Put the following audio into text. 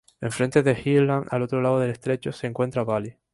En frente de G-Land, al otro lado del estrecho, se encuentra Bali.